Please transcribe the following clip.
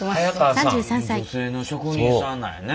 女性の職人さんなんやね。